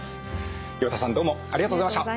岩田さんどうもありがとうございました。